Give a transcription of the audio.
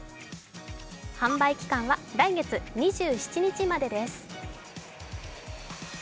販売期間は来月２７日までです。